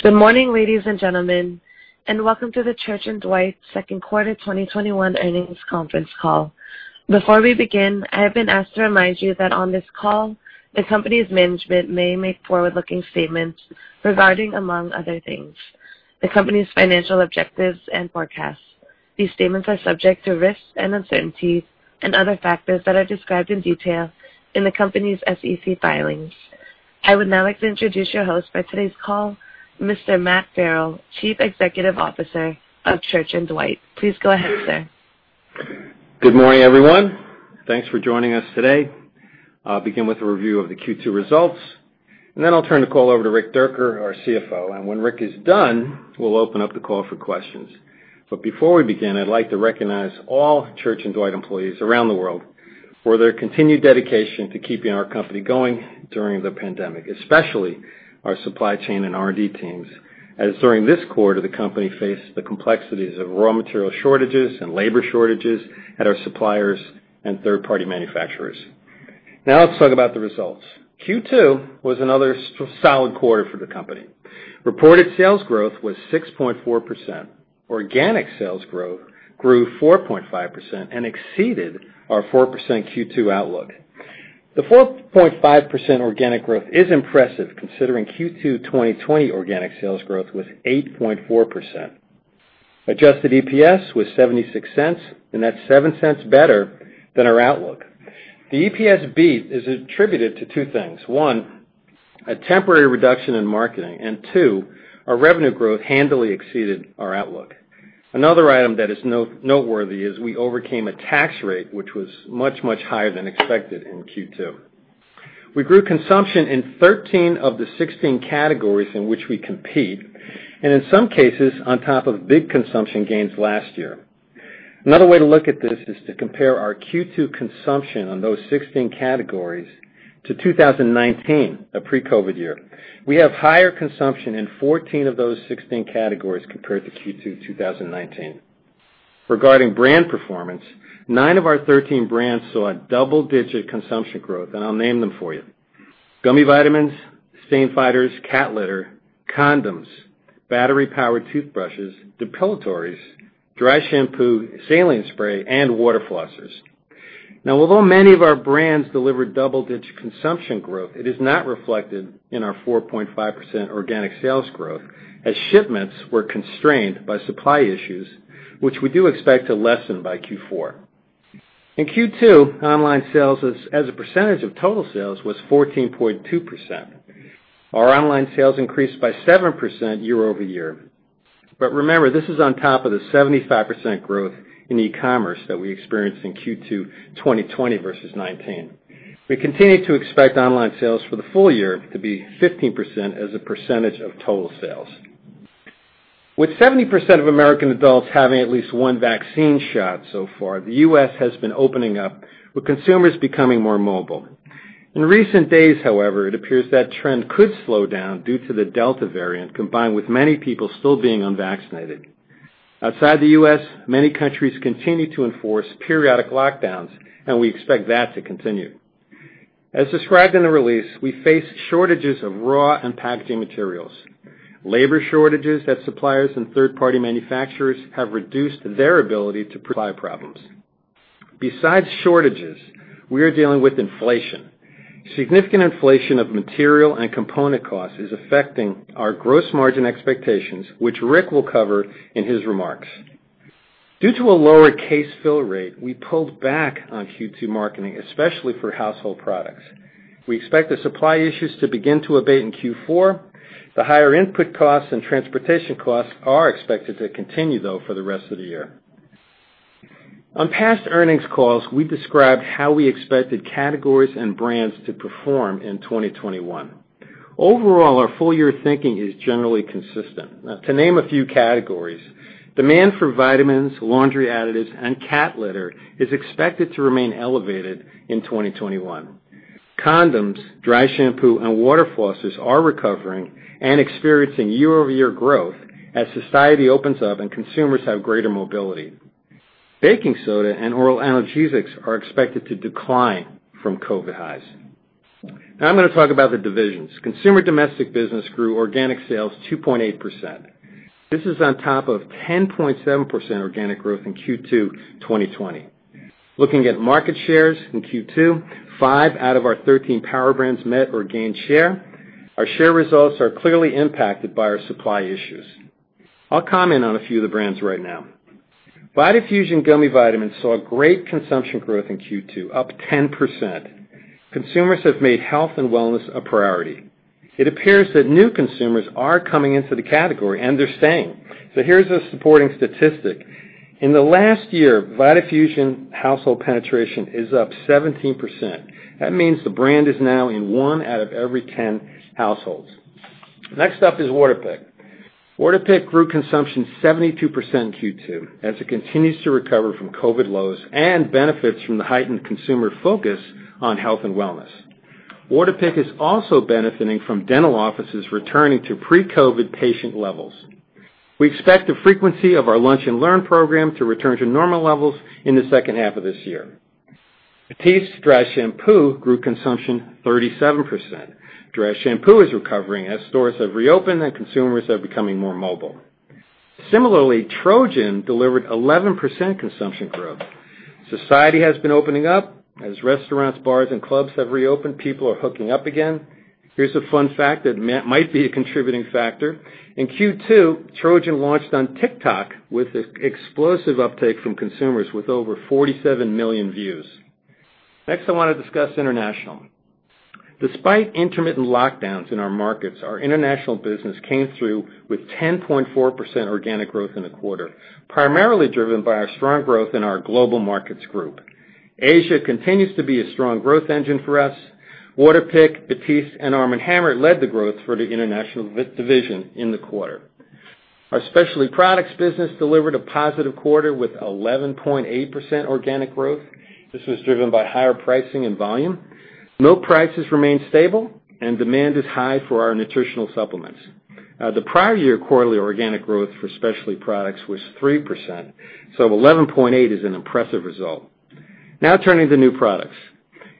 Good morning, ladies and gentlemen, and welcome to the Church & Dwight second quarter 2021 earnings conference call. Before we begin, I have been asked to remind you that on this call, the company's management may make forward-looking statements regarding, among other things, the company's financial objectives and forecasts. These statements are subject to risks and uncertainties and other factors that are described in detail in the company's SEC filings. I would now like to introduce your host for today's call, Mr. Matt Farrell, Chief Executive Officer of Church & Dwight. Please go ahead, sir. Good morning, everyone. Thanks for joining us today. I'll begin with a review of the Q2 results. Then I'll turn the call over to Rick Dierker, our CFO. When Rick is done, we'll open up the call for questions. Before we begin, I'd like to recognize all Church & Dwight employees around the world for their continued dedication to keeping our company going during the pandemic, especially our supply chain and R&D teams, as during this quarter, the company faced the complexities of raw material shortages and labor shortages at our suppliers and third-party manufacturers. Let's talk about the results. Q2 was another solid quarter for the company. Reported sales growth was 6.4%. Organic sales growth grew 4.5% and exceeded our 4% Q2 outlook. The 4.5% organic growth is impressive, considering Q2 2020 organic sales growth was 8.4%. Adjusted EPS was $0.76. That's $0.07 better than our outlook. The EPS beat is attributed to two things. One, a temporary reduction in marketing, and two, our revenue growth handily exceeded our outlook. Another item that is noteworthy is we overcame a tax rate, which was much, much higher than expected in Q2. We grew consumption in 13 of the 16 categories in which we compete, and in some cases, on top of big consumption gains last year. Another way to look at this is to compare our Q2 consumption on those 16 categories to 2019, a pre-COVID year. We have higher consumption in 14 of those 16 categories compared to Q2 2019. Regarding brand performance, nine of our 13 brands saw a double-digit consumption growth, and I'll name them for you. Gummy vitamins, stain fighters, cat litter, condoms, battery-powered toothbrushes, depilatories, dry shampoo, saline spray, and water flossers. Now, although many of our brands delivered double-digit consumption growth, it is not reflected in our 4.5% organic sales growth, as shipments were constrained by supply issues, which we do expect to lessen by Q4. In Q2, online sales as a percentage of total sales was 14.2%. Our online sales increased by 7% year-over-year. Remember, this is on top of the 75% growth in e-commerce that we experienced in Q2 2020 versus 2019. We continue to expect online sales for the full year to be 15% as a percentage of total sales. With 70% of American adults having at least one vaccine shot so far, the U.S. has been opening up, with consumers becoming more mobile. In recent days, however, it appears that trend could slow down due to the Delta variant, combined with many people still being unvaccinated. Outside the U.S., many countries continue to enforce periodic lockdowns, and we expect that to continue. As described in the release, we face shortages of raw and packaging materials. Labor shortages at suppliers and third-party manufacturers have reduced their ability to provide products. Besides shortages, we are dealing with inflation. Significant inflation of material and component costs is affecting our gross margin expectations, which Rick will cover in his remarks. Due to a lower case fill rate, we pulled back on Q2 marketing, especially for household products. We expect the supply issues to begin to abate in Q4. The higher input costs and transportation costs are expected to continue, though, for the rest of the year. On past earnings call we describe how we expect the categories and brand to perform in 2021. Overall our full year is generally consistent. To name a few categories, demand for vitamins, laundry additives, and cat litter is expected to remain elevated in 2021. Condoms, dry shampoo, and water flossers are recovering and experiencing year-over-year growth as society opens up and consumers have greater mobility. Baking soda and oral analgesics are expected to decline from COVID highs. I'm going to talk about the divisions. Consumer domestic business grew organic sales 2.8%. This is on top of 10.7% organic growth in Q2 2020. Looking at market shares in Q2, five out of our 13 power brands met or gained share. Our share results are clearly impacted by our supply issues. I'll comment on a few of the brands right now. Vitafusion gummy vitamins saw great consumption growth in Q2, up 10%. Consumers have made health and wellness a priority. It appears that new consumers are coming into the category, and they're staying. Here's a supporting statistic. In the last year, Vitafusion household penetration is up 17%. That means the brand is now in one out of every 10 households. Next up is Waterpik. Waterpik grew consumption 72% in Q2 as it continues to recover from COVID lows and benefits from the heightened consumer focus on health and wellness. Waterpik is also benefiting from dental offices returning to pre-COVID patient levels. We expect the frequency of our Lunch and Learn program to return to normal levels in the second half of this year. Batiste Dry Shampoo grew consumption 37%. Dry shampoo is recovering as stores have reopened and consumers are becoming more mobile. Similarly, Trojan delivered 11% consumption growth. Society has been opening up. As restaurants, bars, and clubs have reopened, people are hooking up again. Here's a fun fact that might be a contributing factor. In Q2, Trojan launched on TikTok with explosive uptake from consumers, with over 47 million views. Next, I want to discuss international. Despite intermittent lockdowns in our markets, our international business came through with 10.4% organic growth in the quarter, primarily driven by our strong growth in our Global Markets Group. Asia continues to be a strong growth engine for us. Waterpik, Batiste, and Arm & Hammer led the growth for the international division in the quarter. Our specialty products business delivered a positive quarter with 11.8% organic growth. This was driven by higher pricing and volume. Milk prices remain stable, and demand is high for our nutritional supplements. The prior year quarterly organic growth for specialty products was 3%. 11.8 is an impressive result. Turning to new products.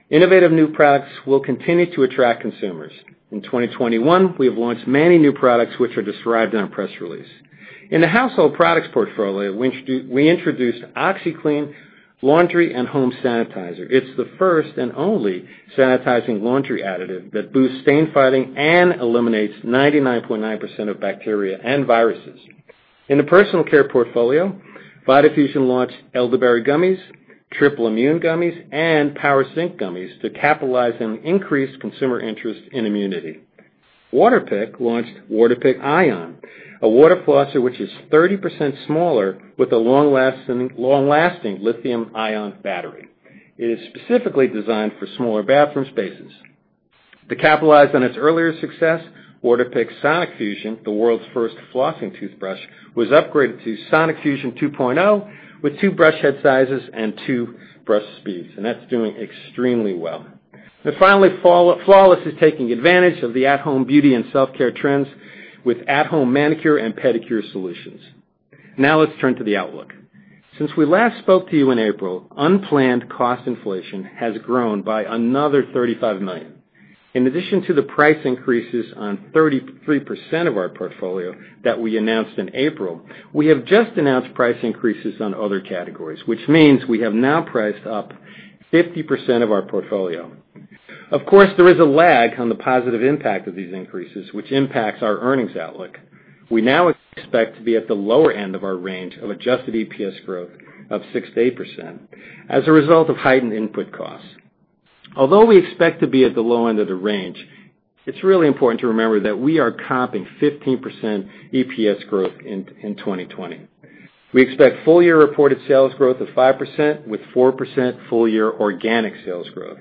Innovative new products will continue to attract consumers. In 2021, we have launched many new products, which are described in our press release. In the household products portfolio, we introduced OxiClean Laundry & Home Sanitizer. It's the first and only sanitizing laundry additive that boosts stain fighting and eliminates 99.9% of bacteria and viruses. In the personal care portfolio, Vitafusion launched Elderberry Gummies, Triple Immune Gummies, and Vitafusion Power Zinc Gummies to capitalize on increased consumer interest in immunity. Waterpik launched Waterpik ION, a water flosser which is 30% smaller with a long-lasting lithium-ion battery. It is specifically designed for smaller bathroom spaces. To capitalize on its earlier success, Waterpik Sonic-Fusion, the world's first flossing toothbrush, was upgraded to Waterpik Sonic-Fusion 2.0 with two brush head sizes and two brush speeds. That's doing extremely well. Finally, Flawless is taking advantage of the at-home beauty and self-care trends with at-home manicure and pedicure solutions. Now let's turn to the outlook. Since we last spoke to you in April, unplanned cost inflation has grown by another $35 million. In addition to the price increases on 33% of our portfolio that we announced in April, we have just announced price increases on other categories, which means we have now priced up 50% of our portfolio. Of course, there is a lag on the positive impact of these increases, which impacts our earnings outlook. We now expect to be at the lower end of our range of adjusted EPS growth of 6%-8% as a result of heightened input costs. We expect to be at the low end of the range, it's really important to remember that we are comping 15% EPS growth in 2020. We expect full-year reported sales growth of 5% with 4% full-year organic sales growth.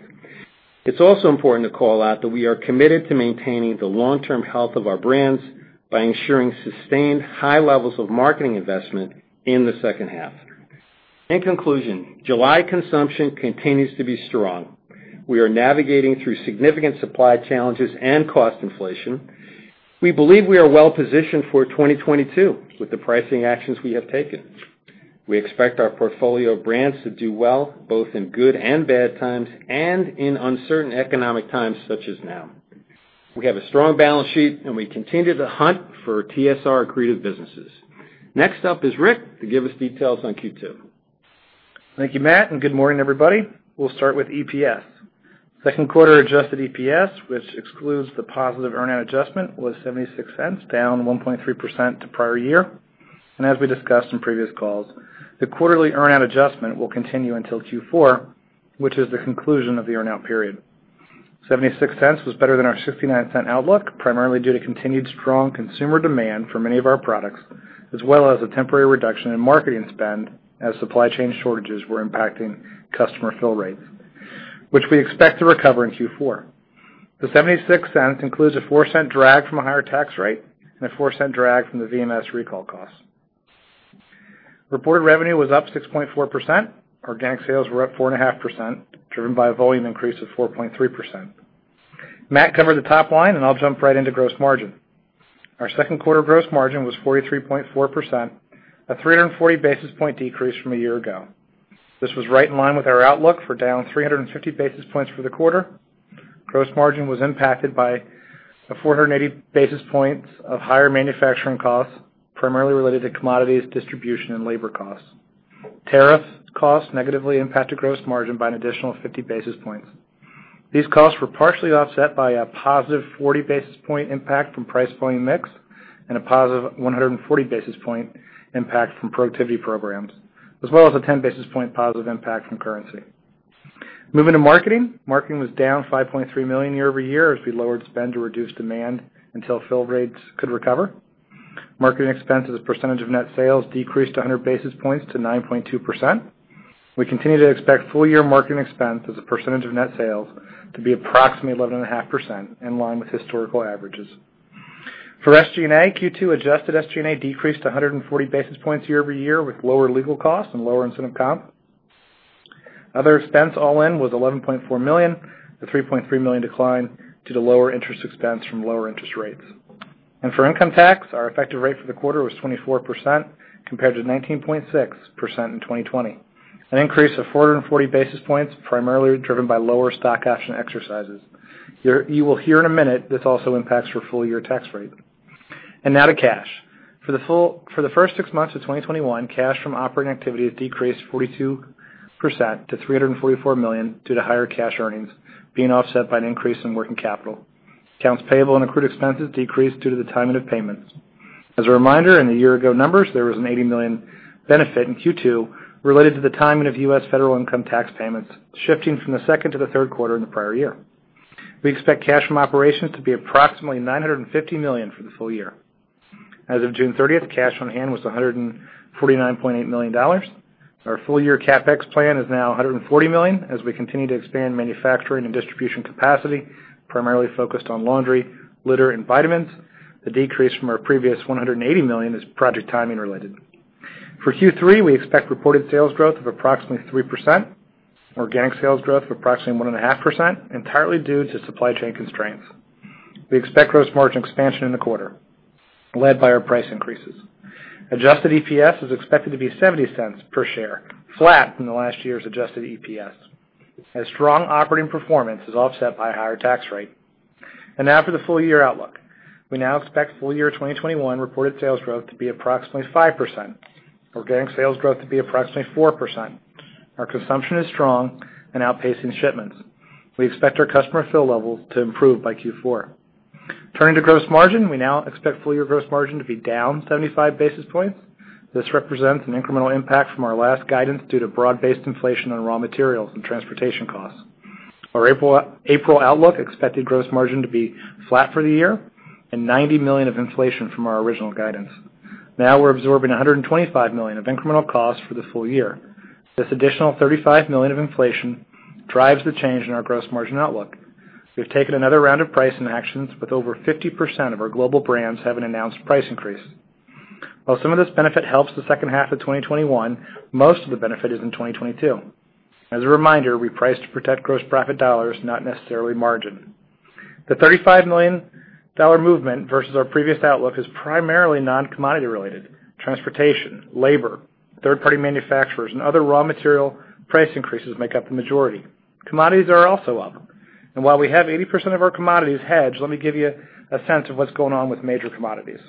It's also important to call out that we are committed to maintaining the long-term health of our brands by ensuring sustained high levels of marketing investment in the second half. July consumption continues to be strong. We are navigating through significant supply challenges and cost inflation. We believe we are well-positioned for 2022 with the pricing actions we have taken. We expect our portfolio of brands to do well, both in good and bad times and in uncertain economic times, such as now. We have a strong balance sheet. We continue to hunt for TSR accretive businesses. Next up is Rick to give us details on Q2. Thank you, Matt, good morning, everybody. We'll start with EPS. Second quarter adjusted EPS, which excludes the positive earn-out adjustment, was $0.76, down 1.3% to prior year. As we discussed in previous calls, the quarterly earn-out adjustment will continue until Q4, which is the conclusion of the earn-out period. $0.76 was better than our $0.69 outlook, primarily due to continued strong consumer demand for many of our products, as well as a temporary reduction in marketing spend as supply chain shortages were impacting customer fill rates, which we expect to recover in Q4. The $0.76 includes a $0.04 drag from a higher tax rate and a $0.04 drag from the VMS recall cost. Reported revenue was up 6.4%. Organic sales were up 4.5%, driven by a volume increase of 4.3%. Matt covered the top line, and I'll jump right into gross margin. Our second quarter gross margin was 43.4%, a 340-basis-point decrease from a year ago. This was right in line with our outlook for down 350 basis points for the quarter. Gross margin was impacted by 480 basis points of higher manufacturing costs, primarily related to commodities, distribution, and labor costs. Tariff costs negatively impacted gross margin by an additional 50 basis points. These costs were partially offset by a positive 40-basis-point impact from price volume mix and a positive 140-basis-point impact from productivity programs, as well as a 10-basis-point positive impact from currency. Moving to marketing. Marketing was down $5.3 million year-over-year as we lowered spend to reduce demand until fill rates could recover. Marketing expense as a percentage of net sales decreased 100 basis points to 9.2%. We continue to expect full-year marketing expense as a percentage of net sales to be approximately 11.5%, in line with historical averages. SG&A, Q2 adjusted SG&A decreased to 140 basis points year-over-year with lower legal costs and lower incentive comp. Other expense all in was $11.4 million, a $3.3 million decline due to lower interest expense from lower interest rates. For income tax, our effective rate for the quarter was 24% compared to 19.6% in 2020, an increase of 440 basis points, primarily driven by lower stock option exercises. You will hear in a minute, this also impacts your full-year tax rate. Now to cash. For the first six months of 2021, cash from operating activity has decreased 42% to $344 million due to higher cash earnings being offset by an increase in working capital. Accounts payable and accrued expenses decreased due to the timing of payments. As a reminder, in the year ago numbers, there was an $80 million benefit in Q2 related to the timing of U.S. federal income tax payments shifting from the second to the third quarter in the prior year. We expect cash from operations to be approximately $950 million for the full year. As of June 30th, cash on hand was $149.8 million. Our full-year CapEx plan is now $140 million as we continue to expand manufacturing and distribution capacity, primarily focused on laundry, litter, and vitamins. The decrease from our previous $180 million is project timing related. For Q3, we expect reported sales growth of approximately 3%, organic sales growth of approximately 1.5%, entirely due to supply chain constraints. We expect gross margin expansion in the quarter led by our price increases. Adjusted EPS is expected to be $0.70 per share, flat from the last year's adjusted EPS, as strong operating performance is offset by a higher tax rate. Now for the full-year outlook. We now expect full-year 2021 reported sales growth to be approximately 5%, organic sales growth to be approximately 4%. Our consumption is strong and outpacing shipments. We expect our customer fill levels to improve by Q4. Turning to gross margin, we now expect full-year gross margin to be down 75 basis points. This represents an incremental impact from our last guidance due to broad-based inflation on raw materials and transportation costs. Our April outlook expected gross margin to be flat for the year and $90 million of inflation from our original guidance. Now we're absorbing $125 million of incremental costs for the full year. This additional $35 million of inflation drives the change in our gross margin outlook. We've taken another round of pricing actions with over 50% of our global brands having announced a price increase. While some of this benefit helps the second half of 2021, most of the benefit is in 2022. As a reminder, we price to protect gross profit dollars, not necessarily margin. The $35 million movement versus our previous outlook is primarily non-commodity related. Transportation, labor, third-party manufacturers, and other raw material price increases make up the majority. Commodities are also up. While we have 80% of our commodities hedged, let me give you a sense of what's going on with major commodities.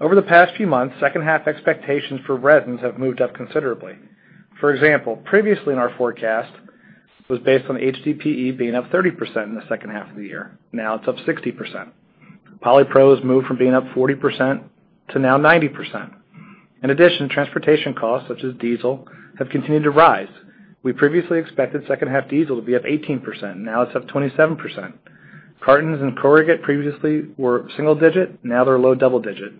Over the past few months, second half expectations for resins have moved up considerably. For example, previously in our forecast was based on HDPE being up 30% in the second half of the year. Now it's up 60%. Polypro has moved from being up 40% to now 90%. In addition, transportation costs such as diesel have continued to rise. We previously expected second half diesel to be up 18%, now it's up 27%. Cartons and corrugate previously were single digit, now they're low double digit.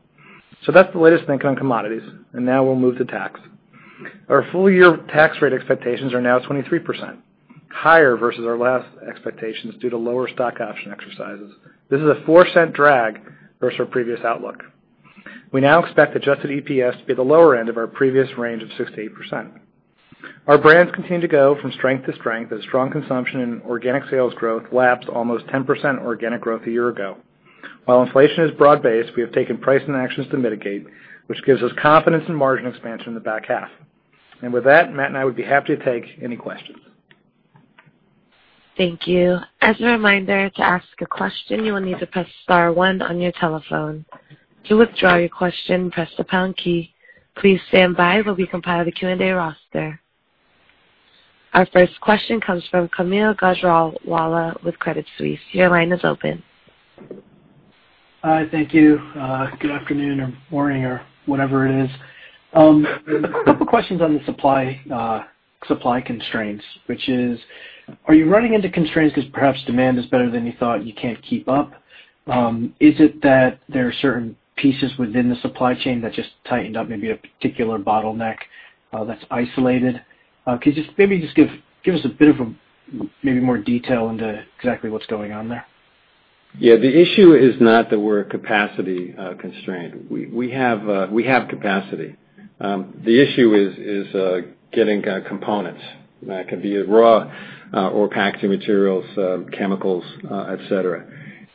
That's the latest take on commodities, and now we'll move to tax. Our full-year tax rate expectations are now 23%, higher versus our last expectations due to lower stock option exercises. This is a $0.04 drag versus our previous outlook. We now expect adjusted EPS to be at the lower end of our previous range of 6%-8%. Our brands continue to go from strength to strength as strong consumption and organic sales growth laps almost 10% organic growth a year ago. While inflation is broad-based, we have taken pricing actions to mitigate, which gives us confidence in margin expansion in the back half. With that, Matt and I would be happy to take any questions. Thank you. As a reminder, to ask a question, you will need to press star one on your telephone. To withdraw your question, press the pound key. Please stand by while we compile the Q&A roster. Our first question comes from Kaumil Gajrawala with Credit Suisse. Your line is open. Hi. Thank you. Good afternoon or morning or whatever it is. A couple questions on the supply constraints, which is, are you running into constraints because perhaps demand is better than you thought and you can't keep up? Is it that there are certain pieces within the supply chain that just tightened up, maybe a particular bottleneck that's isolated? Could you maybe just give us a bit of maybe more detail into exactly what's going on there? Yeah. The issue is not that we're capacity constrained. We have capacity. The issue is getting components. That could be raw or packaging materials, chemicals, et cetera.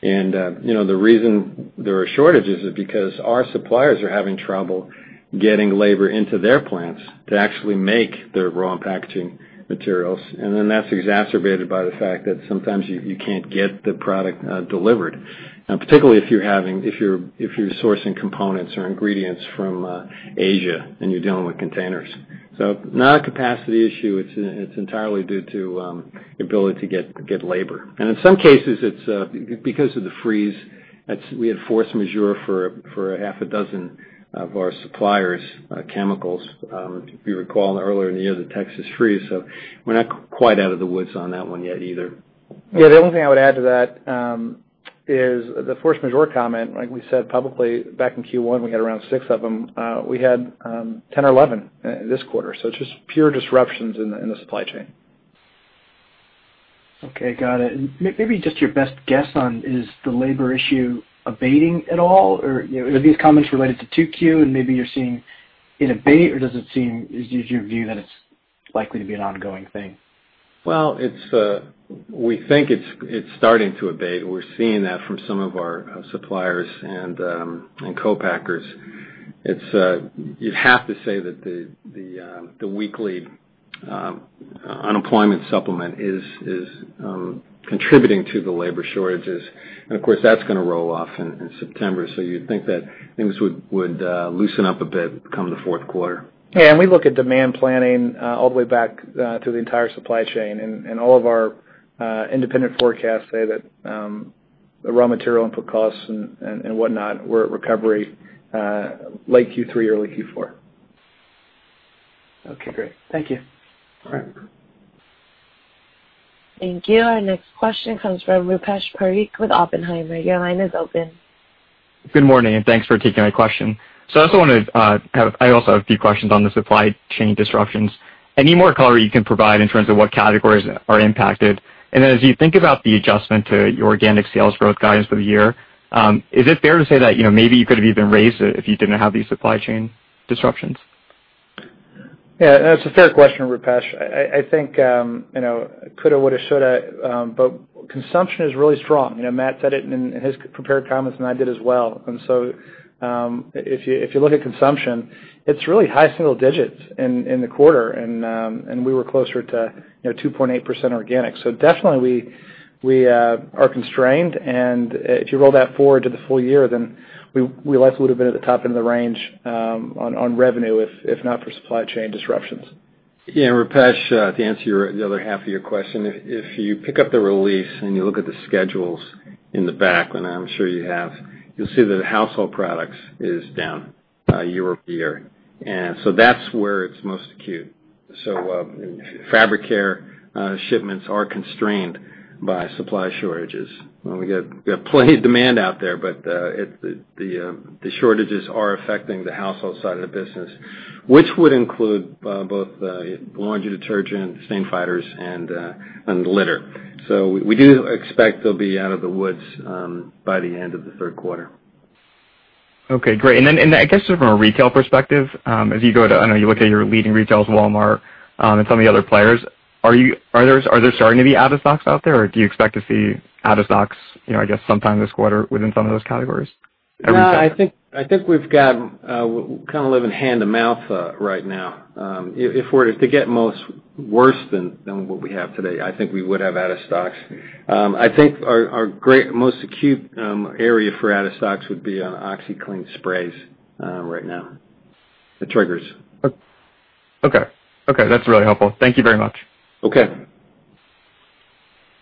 The reason there are shortages is because our suppliers are having trouble getting labor into their plants to actually make the raw packaging materials. That's exacerbated by the fact that sometimes you can't get the product delivered, particularly if you're sourcing components or ingredients from Asia and you're dealing with containers. Not a capacity issue. It's entirely due to the ability to get labor. In some cases, it's because of the freeze. We had force majeure for a half a dozen of our suppliers, chemicals, if you recall earlier in the year, the Texas Freeze. We're not quite out of the woods on that one yet either. Yeah. The only thing I would add to that is the force majeure comment, like we said publicly back in Q1, we had around six of them. We had 10 or 11 this quarter. It's just pure disruptions in the supply chain. Okay. Got it. Maybe just your best guess on, is the labor issue abating at all? Are these comments related to 2Q and maybe you're seeing it abate? Is your view that it's likely to be an ongoing thing? Well, we think it's starting to abate. We're seeing that from some of our suppliers and co-packers. You'd have to say that the weekly unemployment supplement is contributing to the labor shortages, and of course, that's going to roll off in September, so you'd think that things would loosen up a bit come the fourth quarter. We look at demand planning all the way back through the entire supply chain, all of our independent forecasts say that the raw material input costs and whatnot were at recovery late Q3 or early Q4. Okay, great. Thank you. All right. Thank you. Our next question comes from Rupesh Parikh with Oppenheimer. Your line is open. Good morning, and thanks for taking my question. I also have a few questions on the supply chain disruptions. Any more color you can provide in terms of what categories are impacted? As you think about the adjustment to your organic sales growth guidance for the year, is it fair to say that maybe you could have even raised it if you didn't have these supply chain disruptions? Yeah, that's a fair question, Rupesh. I think, coulda, woulda, shoulda, but consumption is really strong. Matt said it in his prepared comments, and I did as well. If you look at consumption, it's really high single digits in the quarter, and we were closer to 2.8% organic. Definitely, we are constrained, and if you roll that forward to the full year, then we likely would've been at the top end of the range on revenue, if not for supply chain disruptions. Yeah, Rupesh, to answer the other half of your question, if you pick up the release and you look at the schedules in the back, and I'm sure you have, you'll see that household products is down year-over-year. That's where it's most acute. Fabric care shipments are constrained by supply shortages. We have plenty of demand out there, but the shortages are affecting the household side of the business, which would include both laundry detergent, stain fighters, and litter. We do expect they'll be out of the woods by the end of the third quarter. Okay, great. I guess just from a retail perspective, I know you look at your leading retailers, Walmart, and some of the other players, are they starting to be out of stocks out there, or do you expect to see out of stocks, I guess, sometime this quarter within some of those categories? No, I think we kind of live in hand-to-mouth right now. If it were to get worse than what we have today, I think we would have out of stocks. I think our most acute area for out of stocks would be on OxiClean sprays right now, the triggers. Okay. That's really helpful. Thank you very much. Okay.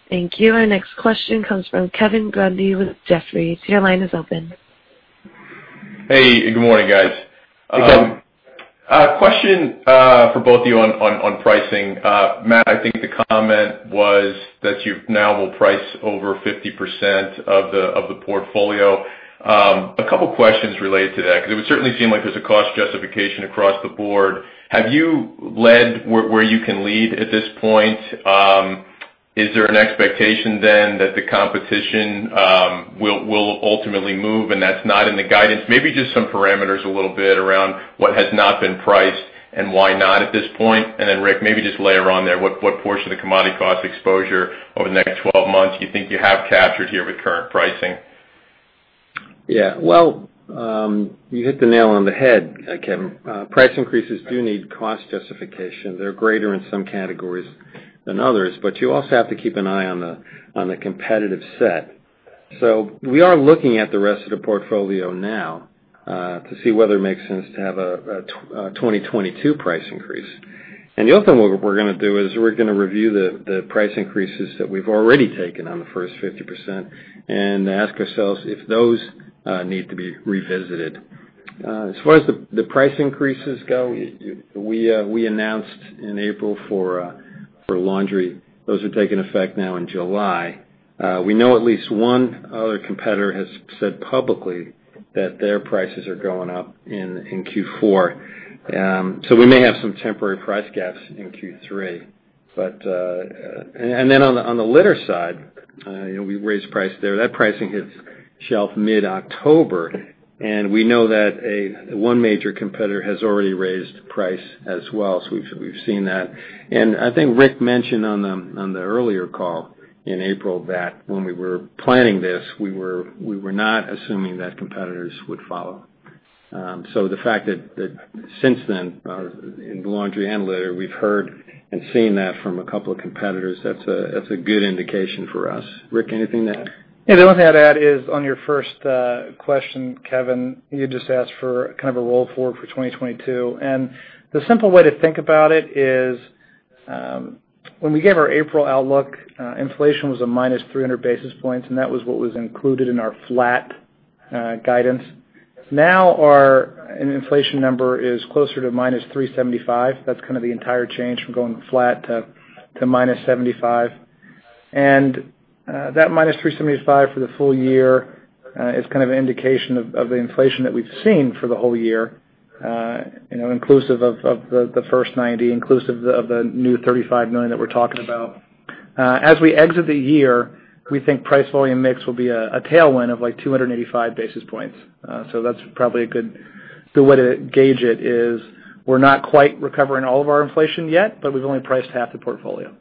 Thank you. Our next question comes from Kevin Grundy with Jefferies. Your line is open. Hey, good morning, guys. Hey, Kevin. A question for both of you on pricing. Matt, I think the comment was that you now will price over 50% of the portfolio. A couple questions related to that, because it would certainly seem like there's a cost justification across the board. Have you led where you can lead at this point? Is there an expectation then that the competition will ultimately move, and that's not in the guidance? Maybe just some parameters a little bit around what has not been priced and why not at this point. Then Rick, maybe just layer on there, what portion of the commodity cost exposure over the next 12 months do you think you have captured here with current pricing? Yeah. Well, you hit the nail on the head, Kevin. Price increases do need cost justification. They're greater in some categories than others, but you also have to keep an eye on the competitive set. We are looking at the rest of the portfolio now to see whether it makes sense to have a 2022 price increase. The other thing we're going to do is we're going to review the price increases that we've already taken on the first 50% and ask ourselves if those need to be revisited. As far as the price increases go, we announced in April for laundry. Those are taking effect now in July. We know at least one other competitor has said publicly that their prices are going up in Q4. We may have some temporary price gaps in Q3. On the litter side, we raised price there. That pricing hits shelf mid-October, and we know that one major competitor has already raised price as well, so we've seen that. I think Rick mentioned on the earlier call in April that when we were planning this, we were not assuming that competitors would follow. The fact that since then, in the laundry and litter, we've heard and seen that from a couple of competitors, that's a good indication for us. Rick, anything to add? The only thing I'd add is on your first question, Kevin, you just asked for kind of a roll forward for 2022. The simple way to think about it is, when we gave our April outlook, inflation was a -300 basis points, and that was what was included in our flat guidance. Now our inflation number is closer to -375. That's kind of the entire change from going flat to -75. That -375 for the full year is kind of an indication of the inflation that we've seen for the whole year, inclusive of the first 90, inclusive of the new $35 million that we're talking about. As we exit the year, we think price volume mix will be a tailwind of 285 basis points. That's probably a good way to gauge it is, we're not quite recovering all of our inflation yet, but we've only priced half the portfolio.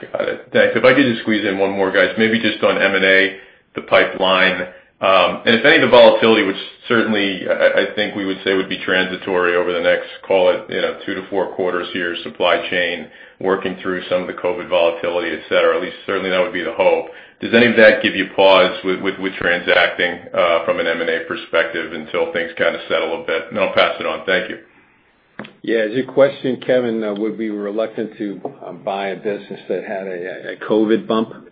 Got it. Thanks. If I could just squeeze in one more, guys. Maybe just on M&A, the pipeline. If any of the volatility, which certainly, I think we would say would be transitory over the next, call it, two-four quarters here, supply chain, working through some of the COVID volatility, et cetera. At least certainly that would be the hope. Does any of that give you pause with transacting, from an M&A perspective, until things kind of settle a bit? Then I'll pass it on. Thank you. Yeah. Is your question, Kevin, would we be reluctant to buy a business that had a COVID bump?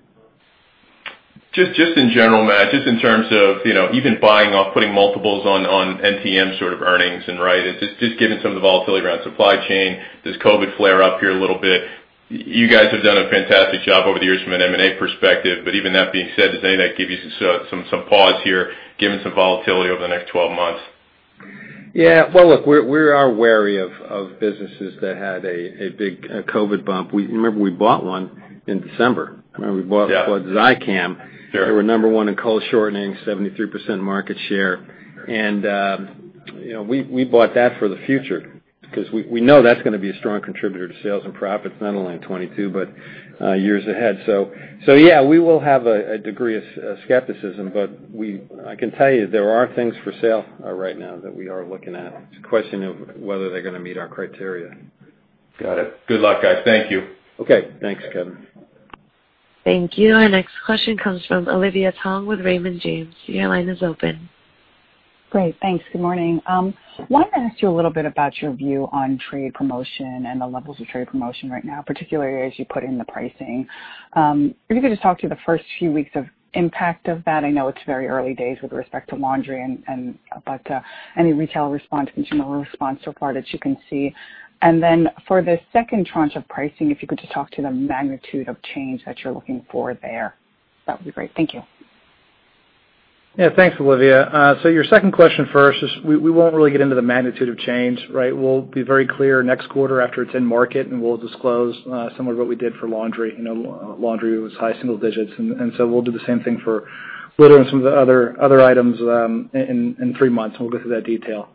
Just in general, Matt, just in terms of even buying or putting multiples on NTM sort of earnings, and just getting some of the volatility around supply chain. This COVID flare up here a little bit. You guys have done a fantastic job over the years from an M&A perspective, but even that being said, does any of that give you some pause here, given some volatility over the next 12 months? Yeah. Well, look, we are wary of businesses that had a big COVID bump. Remember, we bought one in December. Remember, we bought Zicam. Sure. They were number one in cold shortening, 73% market share. We bought that for the future because we know that's going to be a strong contributor to sales and profits, not only in 2022, but years ahead. Yeah, we will have a degree of skepticism, but I can tell you, there are things for sale right now that we are looking at. It's a question of whether they're going to meet our criteria. Got it. Good luck, guys. Thank you. Okay. Thanks, Kevin. Thank you. Our next question comes from Olivia Tong with Raymond James. Your line is open. Great. Thanks. Good morning. I wanted to ask you a little bit about your view on trade promotion and the levels of trade promotion right now, particularly as you put in the pricing. If you could just talk to the first few weeks of impact of that. I know it's very early days with respect to laundry, but any retail response, consumer response so far that you can see. For the second tranche of pricing, if you could just talk to the magnitude of change that you're looking for there? That would be great. Thank you. Yeah. Thanks, Olivia. Your second question first is, we won't really get into the magnitude of change, right? We'll be very clear next quarter after it's in market, and we'll disclose some of what we did for laundry. Laundry was high single digits. We'll do the same thing for litter and some of the other items in three months. We'll go through that detail.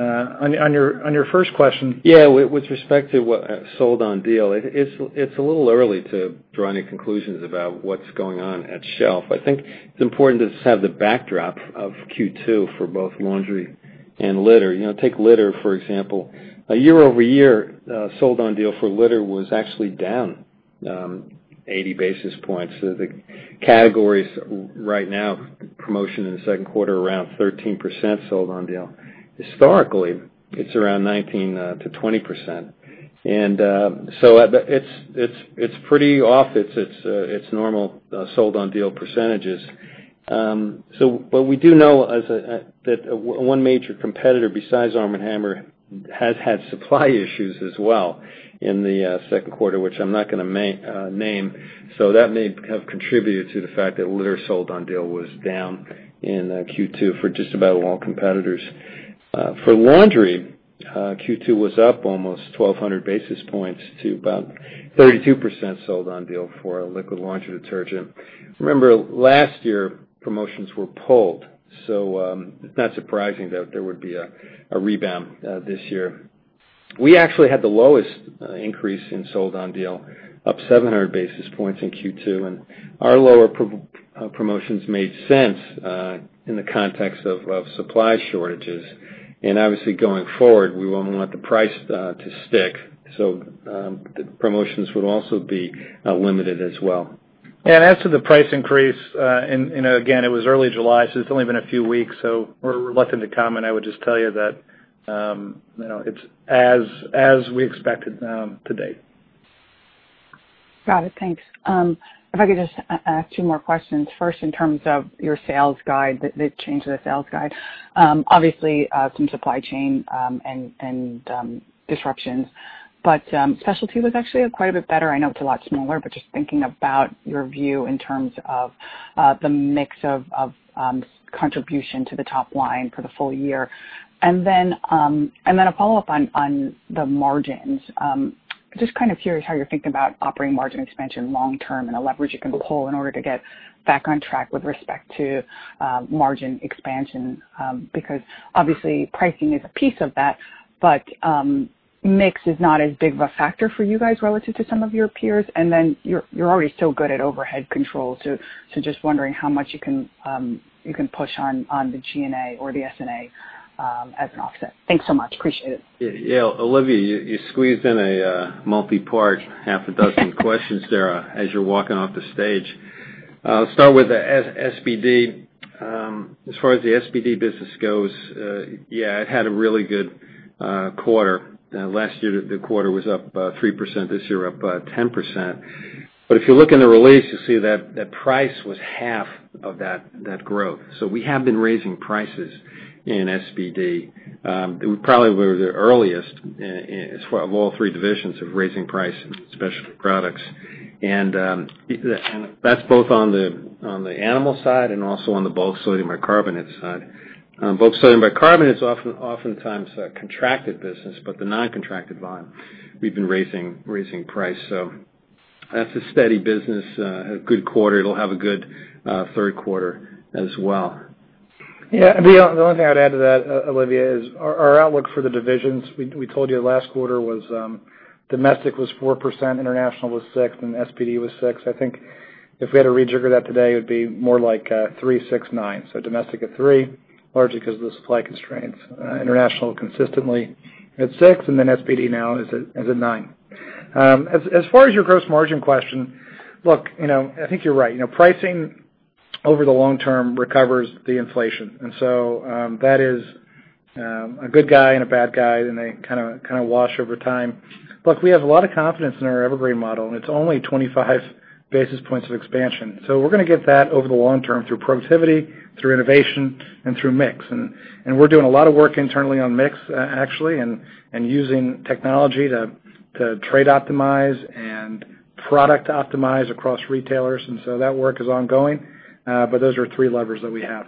On your first question. Yeah. With respect to what sold on deal, it's a little early to draw any conclusions about what's going on at shelf. I think it's important to just have the backdrop of Q2 for both laundry and litter. Take litter, for example. Year-over-year, sold on deal for litter was actually down 80 basis points. The category's, right now, promotion in the second quarter around 13% sold on deal. Historically, it's around 19%-20%. It's pretty off its normal sold on deal percentages. We do know that one major competitor besides Arm & Hammer has had supply issues as well in the second quarter, which I'm not going to name. That may have contributed to the fact that litter sold on deal was down in Q2 for just about all competitors. For laundry, Q2 was up almost 1,200 basis points to about 32% sold on deal for liquid laundry detergent. Remember, last year, promotions were pulled, so, it's not surprising that there would be a rebound this year. We actually had the lowest increase in sold on deal, up 700 basis points in Q2. Our lower promotions made sense in the context of supply shortages. Obviously going forward, we want the price to stick. The promotions would also be limited as well. As to the price increase, again, it was early July, so it's only been a few weeks, so we're reluctant to comment. I would just tell you that it's as we expected to date. Got it. Thanks. If I could just ask two more questions. First, in terms of your sales guide, the change to the sales guide, obviously, some supply chain and disruptions, but Specialty was actually quite a bit better. I know it's a lot smaller, but just thinking about your view in terms of the mix of contribution to the top line for the full year. A follow-up on the margins, just kind of curious how you're thinking about operating margin expansion long term and the leverage you can pull in order to get back on track with respect to margin expansion. Because obviously pricing is a piece of that, but mix is not as big of a factor for you guys relative to some of your peers. You're already so good at overhead control, so just wondering how much you can push on the G&A or the S&A, as an offset? Thanks so much. Appreciate it. Yeah. Olivia, you squeezed in a multi-part half a dozen questions there as you're walking off the stage. I'll start with the SPD. As far as the SPD business goes, yeah, it had a really good quarter. Last year, the quarter was up 3%, this year up 10%. If you look in the release, you'll see that price was half of that growth. We have been raising prices in SPD. We probably were the earliest of all three divisions of raising price in Specialty Products. That's both on the animal side and also on the bulk sodium bicarbonate side. Bulk sodium bicarbonate is oftentimes a contracted business, but the non-contracted volume, we've been raising price. That's a steady business, a good quarter. It'll have a good 3rd quarter as well. Yeah. The only thing I'd add to that, Olivia, is our outlook for the divisions, we told you last quarter was domestic was 4%, international was 6%, and SPD was 6%. I think if we had to rejigger that today, it would be more like three, six, nine. Domestic at 3%, largely because of the supply constraints. International consistently at 6%. SPD now is at 9%. As far as your gross margin question, look, I think you're right. Pricing, over the long term, recovers the inflation. That is a good guy and a bad guy, and they kind of wash over time. Look, we have a lot of confidence in our Evergreen Model. It's only 25 basis points of expansion. We're going to get that over the long term through productivity, through innovation, and through mix. We're doing a lot of work internally on mix, actually, and using technology to trade optimize and product optimize across retailers. That work is ongoing. Those are three levers that we have.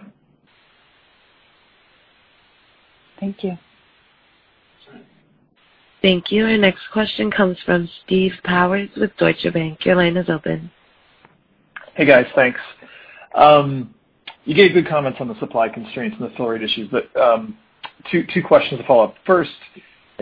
Thank you. Thank you. Our next question comes from Steve Powers with Deutsche Bank. Your line is open. Hey, guys. Thanks. You gave good comments on the supply constraints and the fill rate issues, two questions to follow up. First,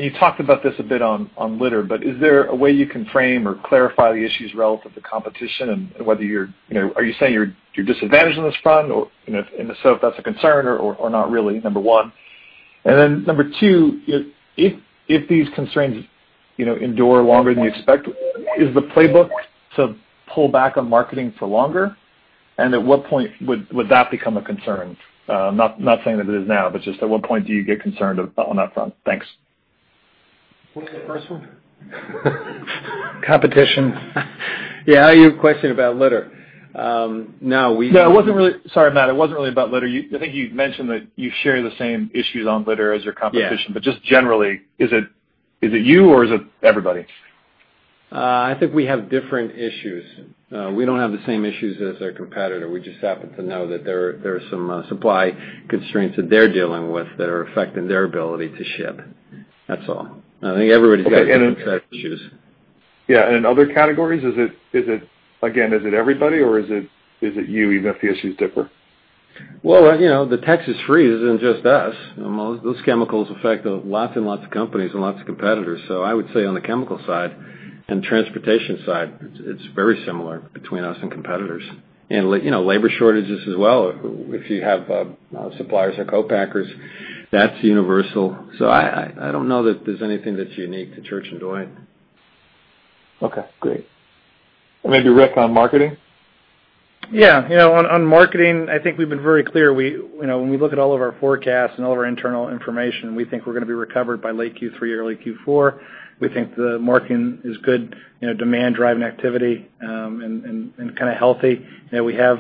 you talked about this a bit on litter, is there a way you can frame or clarify the issues relative to competition and are you saying you're disadvantaged in this front? If so, if that's a concern or not really? Number One. Then number two, if these constraints endure longer than you expect, is the playbook to pull back on marketing for longer? At what point would that become a concern? I'm not saying that it is now, just at what point do you get concerned on that front? Thanks. What was the first one? Competition. Yeah, you have a question about litter. No. No, Sorry, Matt, it wasn't really about litter. I think you mentioned that you share the same issues on litter as your competition. Yeah. Just generally, is it you, or is it everybody? I think we have different issues. We don't have the same issues as our competitor. We just happen to know that there are some supply constraints that they're dealing with that are affecting their ability to ship. That's all. I think everybody's got their own set of issues. Yeah, in other categories, again, is it everybody, or is it you, even if the issues differ? Well, the Texas freeze isn't just us. Those chemicals affect lots and lots of companies and lots of competitors. I would say on the chemical side and transportation side, it's very similar between us and competitors. Labor shortages as well. If you have suppliers or co-packers, that's universal. I don't know that there's anything that's unique to Church & Dwight. Okay, great. Maybe Rick, on marketing? On marketing, I think we've been very clear. When we look at all of our forecasts and all of our internal information, we think we're going to be recovered by late Q3 or early Q4. We think the marketing is good, demand-driving activity, and kind of healthy. We have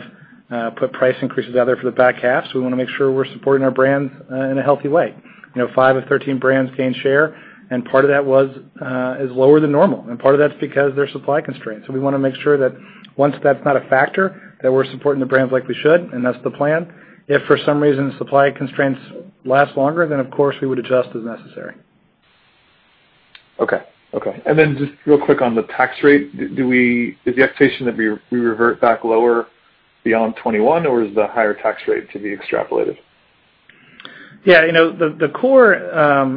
put price increases out there for the back half, so we want to make sure we're supporting our brands in a healthy way. Five of 13 brands gained share, and part of that is lower than normal, and part of that's because there's supply constraints. We want to make sure that once that's not a factor, that we're supporting the brands like we should, and that's the plan. If for some reason supply constraints last longer, then of course, we would adjust as necessary. Okay. Just real quick on the tax rate. Is the expectation that we revert back lower beyond 2021, or is the higher tax rate to be extrapolated? Yeah. The core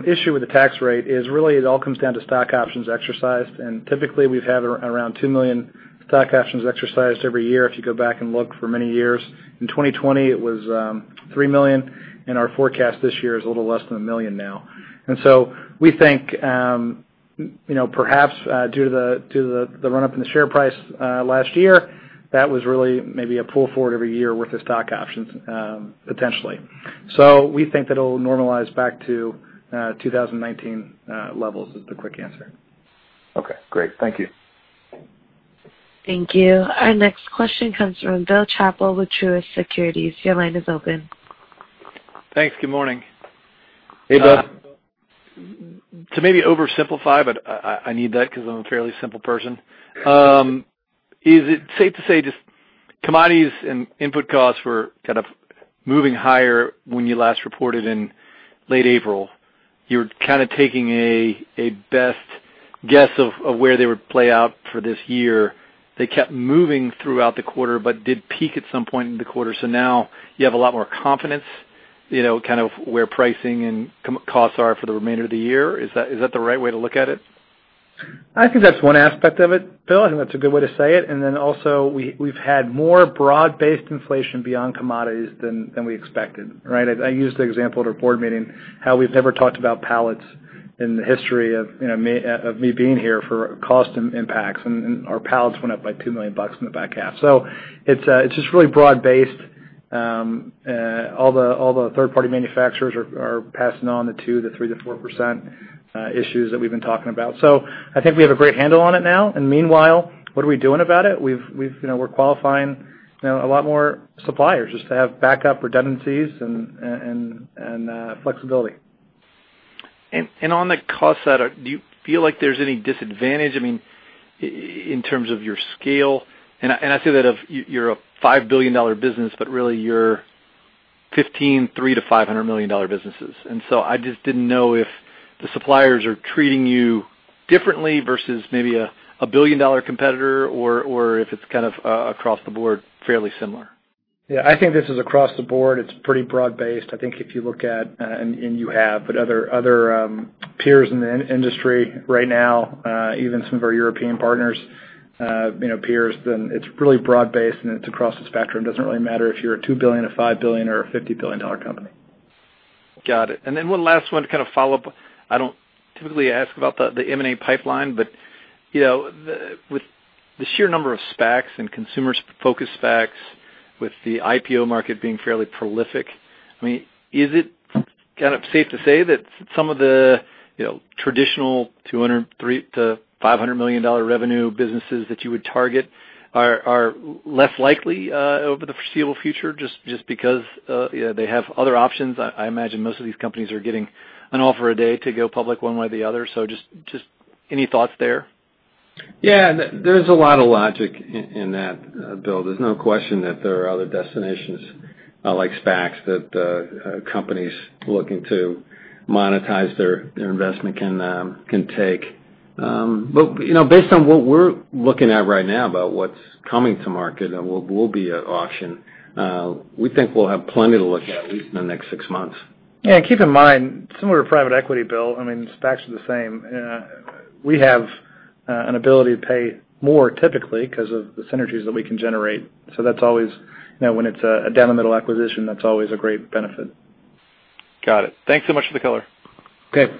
issue with the tax rate is really it all comes down to stock options exercised. Typically, we've had around two million stock options exercised every year, if you go back and look for many years. In 2020, it was three million, and our forecast this year is a little less than a million now. We think, perhaps due to the run-up in the share price last year, that was really maybe a pull forward of a year worth of stock options, potentially. We think that it'll normalize back to 2019 levels is the quick answer. Okay, great. Thank you. Thank you. Our next question comes from Bill Chappell with Truist Securities. Your line is open. Thanks. Good morning. Hey, Bill. To maybe oversimplify, but I need that because I'm a fairly simple person. Is it safe to say just commodities and input costs were kind of moving higher when you last reported in late April? You were kind of taking a best guess of where they would play out for this year. They kept moving throughout the quarter but did peak at some point in the quarter. Now you have a lot more confidence, kind of where pricing and costs are for the remainder of the year. Is that the right way to look at it? I think that's one aspect of it, Bill. I think that's a good way to say it. Also, we've had more broad-based inflation beyond commodities than we expected. Right? I used the example at our board meeting how we've never talked about pallets in the history of me being here for cost impacts, and our pallets went up by $2 million in the back half. It's just really broad based. All the third-party manufacturers are passing on the 2%-3%-4% issues that we've been talking about. I think we have a great handle on it now. Meanwhile, what are we doing about it? We're qualifying a lot more suppliers just to have backup redundancies and flexibility. On the cost side, do you feel like there's any disadvantage, in terms of your scale? I say that you're a $5 billion business, but really you're 15, $3 million-$500 million businesses. I just didn't know if the suppliers are treating you differently versus maybe a billion-dollar competitor or if it's kind of across the board, fairly similar? Yeah, I think this is across the board. It's pretty broad-based. I think if you look at other peers in the industry right now, even some of our European partners, peers, it's really broad-based and it's across the spectrum. It doesn't really matter if you're a $2 billion, a $5 billion, or a $50 billion company. Got it. Then one last one to kind of follow up. I don't typically ask about the M&A pipeline, but with the sheer number of SPACs and consumer-focused SPACs, with the IPO market being fairly prolific, is it kind of safe to say that some of the traditional $200 million-$500 million revenue businesses that you would target are less likely over the foreseeable future just because they have other options? I imagine most of these companies are getting an offer a day to go public one way or the other. Just, any thoughts there? Yeah, there's a lot of logic in that, Bill. There's no question that there are other destinations like SPACs that companies looking to monetize their investment can take. Based on what we're looking at right now about what's coming to market and what will be at auction, we think we'll have plenty to look at least in the next six months. Keep in mind, similar to private equity, Bill, SPACs are the same. We have an ability to pay more typically because of the synergies that we can generate. That's always, when it's a dilutive acquisition, that's always a great benefit. Got it. Thanks so much for the color. Okay.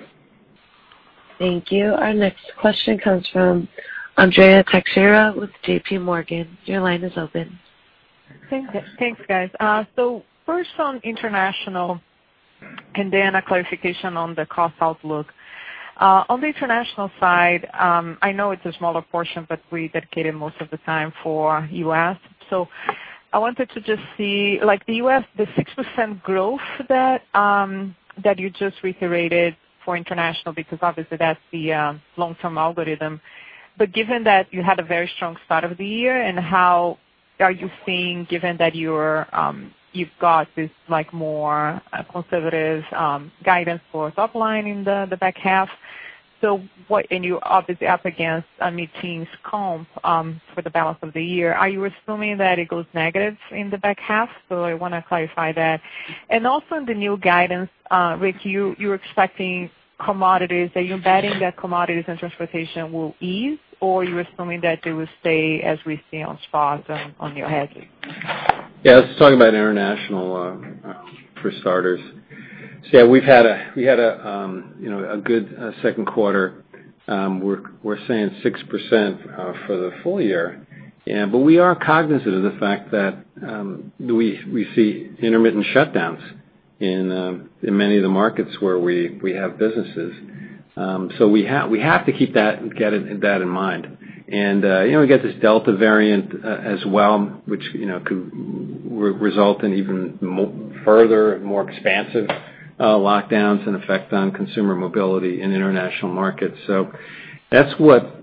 Thank you. Our next question comes from Andrea Teixeira with JPMorgan. Your line is open. Thanks, guys. First on international, and then a clarification on the cost outlook. On the international side, I know it's a smaller portion, but we dedicated most of the time for U.S. I wanted to just see, like the U.S., the 6% growth that you just reiterated for international, because obviously that's the long-term algorithm. Given that you had a very strong start of the year and how are you seeing, given that you've got this more conservative guidance for top line in the back half, and you're obviously up against mid-teens comp for the balance of the year, are you assuming that it goes negative in the back half? I want to clarify that. Also in the new guidance, Rick, you're expecting commodities. Are you betting that commodities and transportation will ease, or are you assuming that they will stay as we see on spots on your hedges? Yeah. Let's talk about international for starters. Yeah, we had a good second quarter. We are seeing 6% for the full year. We are cognizant of the fact that we see intermittent shutdowns in many of the markets where we have businesses. We have to keep that in mind. We got this Delta variant as well, which could result in even further, more expansive lockdowns and effect on consumer mobility in international markets. That's what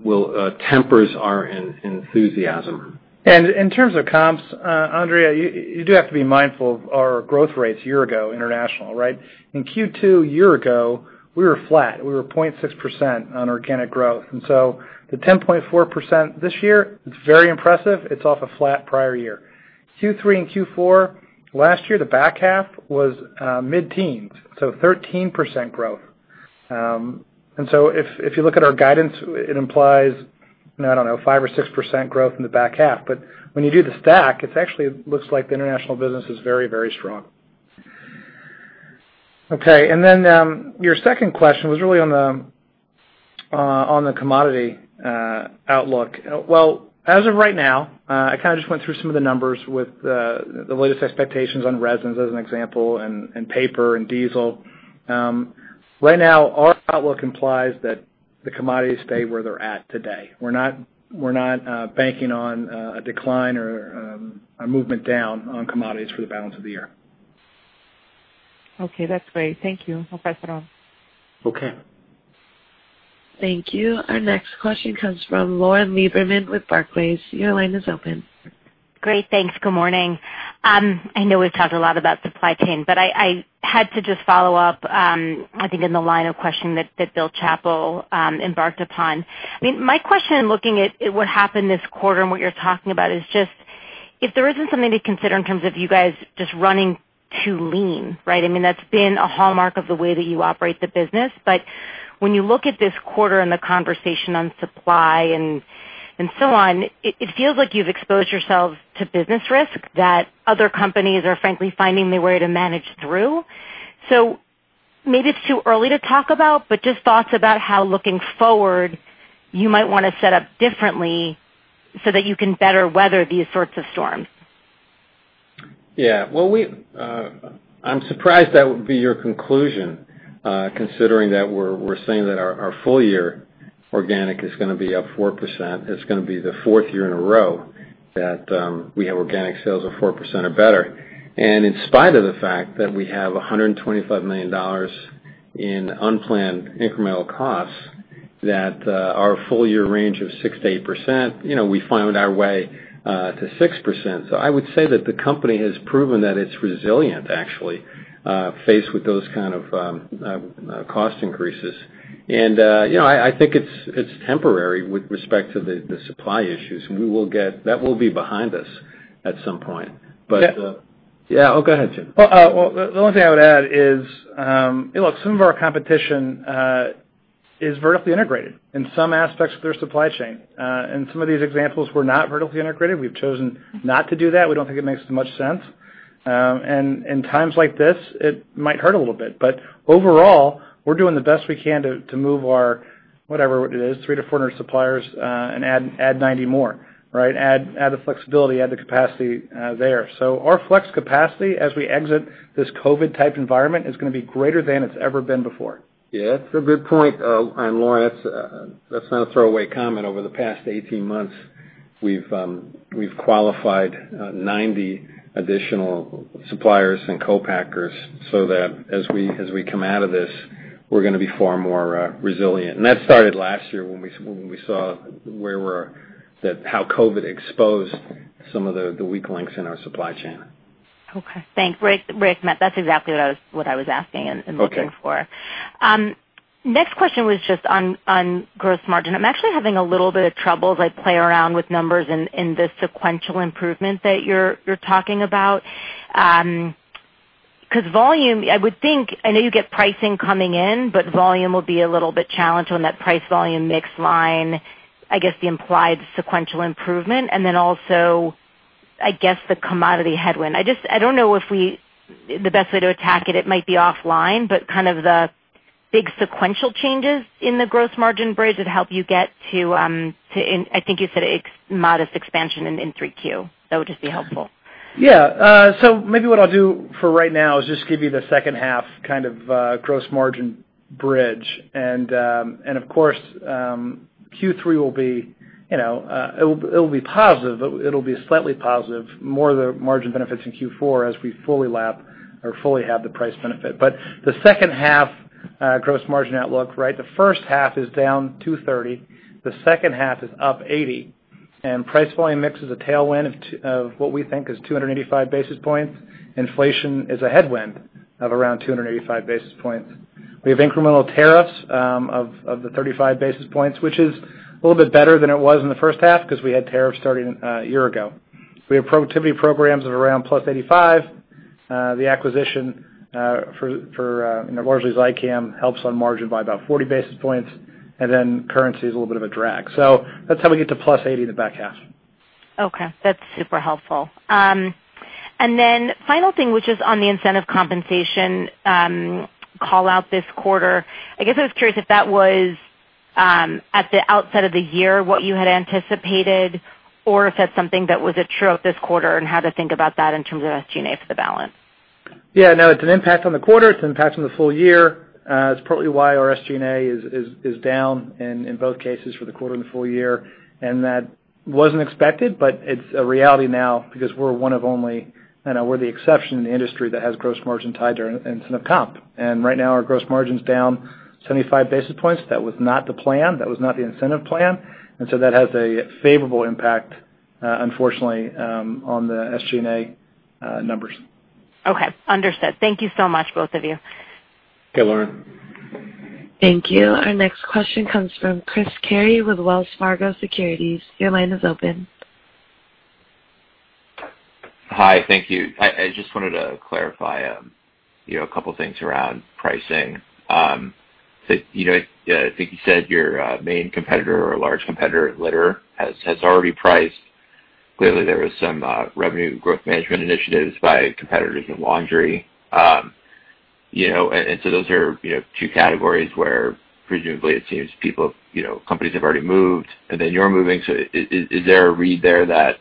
tempers our enthusiasm. In terms of comps, Andrea, you do have to be mindful of our growth rates year-ago international, right? In Q2 a year-ago, we were flat. We were 0.6% on organic growth. The 10.4% this year, it's very impressive. It's off a flat prior year. Q3 and Q4 last year, the back half was mid-teens, so 13% growth. If you look at our guidance, it implies, I don't know, 5% or 6% growth in the back half. When you do the stack, it actually looks like the international business is very strong. Your second question was really on the commodity outlook. Well, as of right now, I kind of just went through some of the numbers with the latest expectations on resins, as an example, and paper and diesel. Right now, our outlook implies that the commodities stay where they're at today. We're not banking on a decline or a movement down on commodities for the balance of the year. Okay, that's great. Thank you. I'll pass it on. Okay. Thank you. Our next question comes from Lauren Lieberman with Barclays. Your line is open. Great. Thanks. Good morning. I know we've talked a lot about supply chain, but I had to just follow up, I think in the line of questioning that Bill Chappell embarked upon. My question looking at what happened this quarter and what you're talking about is just if there isn't something to consider in terms of you guys just running too lean, right? That's been a hallmark of the way that you operate the business. When you look at this quarter and the conversation on supply and so on, it feels like you've exposed yourselves to business risk that other companies are frankly finding their way to manage through. Maybe it's too early to talk about, but just thoughts about how looking forward, you might want to set up differently so that you can better weather these sorts of storms? Yeah. Well, I'm surprised that would be your conclusion, considering that we're saying that our full-year organic is going to be up 4%. It's going to be the fourth year in a row that we have organic sales of 4% or better. In spite of the fact that we have $125 million in unplanned incremental costs that our full year range of 6%-8%, we found our way to 6%. I would say that the company has proven that it's resilient, actually, faced with those kind of cost increases. I think it's temporary with respect to the supply issues. That will be behind us at some point. Yeah. Yeah. Oh, go ahead. Well, the only thing I would add is, some of our competition is vertically integrated in some aspects of their supply chain. In some of these examples, we're not vertically integrated. We've chosen not to do that. We don't think it makes much sense. In times like this, it might hurt a little bit. Overall, we're doing the best we can to move our, whatever it is, 300-400 suppliers, and add 90 more. Right? Add the flexibility, add the capacity there. Our flex capacity, as we exit this COVID-type environment, is going to be greater than it's ever been before. Yeah. That's a good point. Lauren, that's not a throwaway comment. Over the past 18 months, we've qualified 90 additional suppliers and co-packers so that as we come out of this, we're going to be far more resilient. That started last year when we saw how COVID exposed some of the weak links in our supply chain. Okay. Thanks. Rick, Matt, that's exactly what I was asking and looking for. Okay. Next question was just on gross margin. I'm actually having a little bit of trouble as I play around with numbers in this sequential improvement that you're talking about. Volume, I know you get pricing coming in, but volume will be a little bit challenged on that price/volume mix line, I guess the implied sequential improvement, and then also, I guess the commodity headwind. I don't know if the best way to attack it might be offline, but kind of the big sequential changes in the gross margin bridge that help you get to, I think you said a modest expansion in 3Q. That would just be helpful? Maybe what I'll do for right now is just give you the second half kind of gross margin bridge. Of course, Q3, it'll be positive. It'll be slightly positive, more of the margin benefits in Q4 as we fully lap or fully have the price benefit. The second half gross margin outlook, right? The first half is down 230, the second half is up 80, and price volume mix is a tailwind of what we think is 285 basis points. Inflation is a headwind of around 285 basis points. We have incremental tariffs of the 35 basis points, which is a little bit better than it was in the first half because we had tariffs starting a year ago. We have productivity programs of around plus 85. The acquisition for largely Zicam helps on margin by about 40 basis points, and then currency is a little bit of a drag. That's how we get to +80 in the back half. Okay. That's super helpful. Final thing, which is on the incentive compensation call-out this quarter. I guess I was curious if that was at the outset of the year what you had anticipated, or if that's something that was true of this quarter and how to think about that in terms of SG&A for the balance? No, it's an impact on the quarter. It's an impact on the full year. It's partly why our SG&A is down in both cases for the quarter and the full year. That wasn't expected, but it's a reality now because we're the exception in the industry that has gross margin tied to our incentive comp. Right now, our gross margin's down 75 basis points. That was not the plan. That was not the incentive plan. That has a favorable impact, unfortunately, on the SG&A numbers. Okay. Understood. Thank you so much, both of you. Okay, Lauren. Thank you. Our next question comes from Chris Carey with Wells Fargo Securities. Your line is open. Hi. Thank you. I just wanted to clarify a couple of things around pricing. I think you said your main competitor or large competitor, Litter, has already priced. Clearly, there was some revenue growth management initiatives by competitors in laundry. Those are two categories where presumably, it seems companies have already moved, and then you're moving. Is there a read there that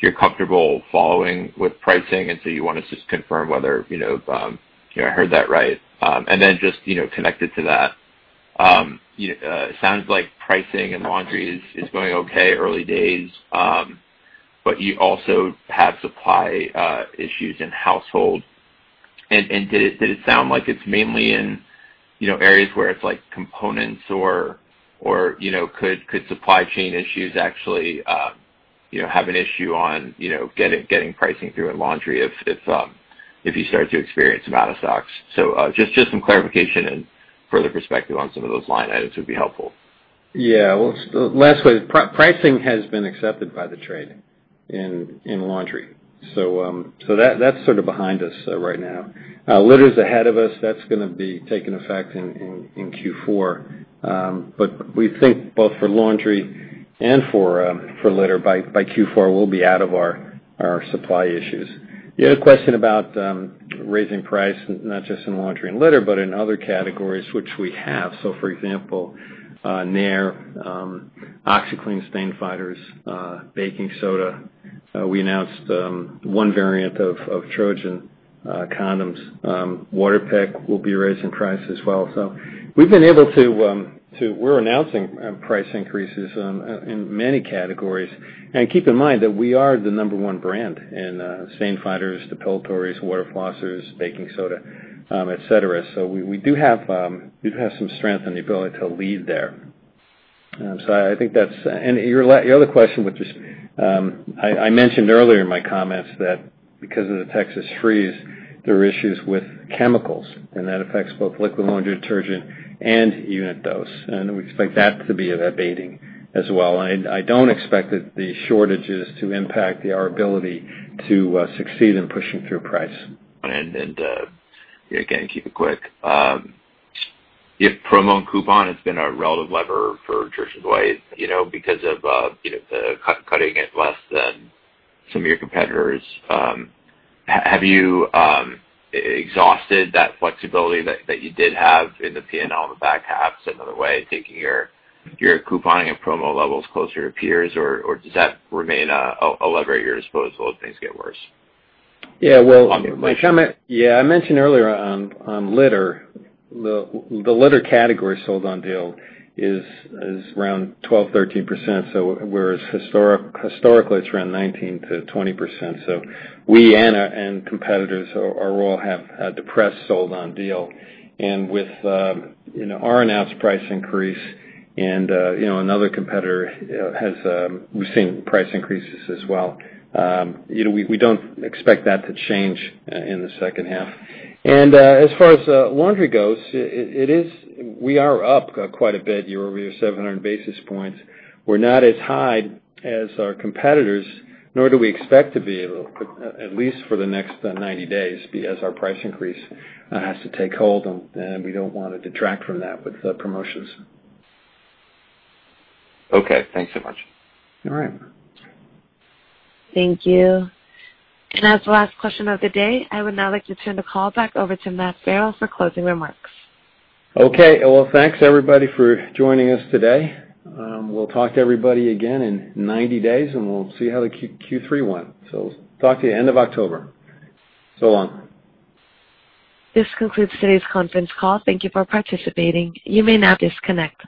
you're comfortable following with pricing, and so you want to just confirm whether I heard that right? Just connected to that, sounds like pricing in laundry is going okay, early days, but you also have supply issues in household. Did it sound like it's mainly in areas where it's components, or could supply chain issues actually have an issue on getting pricing through in laundry if you start to experience some out of stocks? Just some clarification and further perspective on some of those line items would be helpful. Lastly, pricing has been accepted by the trade in laundry. That's sort of behind us right now. Litter's ahead of us. That's going to be taking effect in Q4. We think both for laundry and for litter, by Q4, we'll be out of our supply issues. The other question about raising price, not just in laundry and litter, but in other categories, which we have. For example, Nair, OxiClean Stain Fighters, Baking Soda. We announced one variant of Trojan condoms. Waterpik will be raising price as well. We're announcing price increases in many categories. Keep in mind that we are the number one brand in stain fighters, depilatories, water flossers, baking soda, et cetera. We do have some strength and the ability to lead there. I think your other question, which is, I mentioned earlier in my comments that because of the Texas freeze, there are issues with chemicals, and that affects both liquid laundry detergent and unit dose. We expect that to be abating as well. I don't expect that the shortages to impact our ability to succeed in pushing through price. Again, keep it quick. Promo and coupon has been a relative lever for Church & Dwight, because of the cutting it less than some of your competitors. Have you exhausted that flexibility that you did have in the P&L in the back half? In other way, taking your couponing and promo levels closer to peers, or does that remain a lever at your disposal if things get worse? I mentioned earlier on litter. The litter category sold on deal is around 12%-13%. Whereas historically, it's around 19%-20%. We and competitors all have depressed sold on deal. With our announced price increase and another competitor has-- we've seen price increases as well. We don't expect that to change in the second half. As far as laundry goes, we are up quite a bit year-over-year, 700 basis points. We're not as high as our competitors, nor do we expect to be, at least for the next 90 days, as our price increase has to take hold, and we don't want to detract from that with promotions. Okay. Thanks so much. All right. Thank you. As the last question of the day, I would now like to turn the call back over to Matt Farrell for closing remarks. Okay. Well, thanks everybody for joining us today. We'll talk to everybody again in 90 days, we'll see how the Q3 went. Talk to you end of October. So long. This concludes today's conference call. Thank you for participating. You may now disconnect.